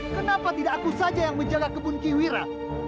kenapa tidak aku saja yang menjaga kebun kiwira